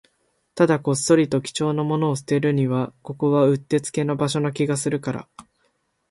ただ、こっそりと貴重なものを捨てるには、ここはうってつけな場所な気がするから